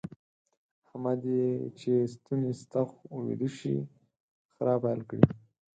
احمد چې ستونی ستخ ويده شي؛ خرا پيل کړي.